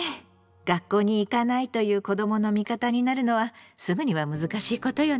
学校に行かないという子どもの味方になるのはすぐには難しいことよね。